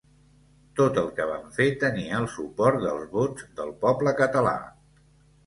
Tot el que van fer tenia el suport dels vots del poble català.